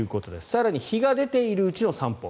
更に日が出ているうちの散歩。